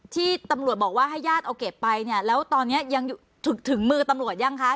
ที่ตำรวจบอกว่าให้ญาติเอาเก็บไปเนี่ยแล้วตอนนี้ยังถึงมือตำรวจยังคะ